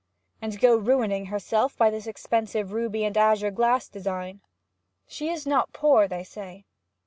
'And go ruining herself by this expensive ruby and azure glass design.' 'She is not poor, they say.'